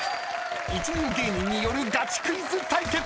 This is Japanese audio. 一流芸人によるガチクイズ対決！］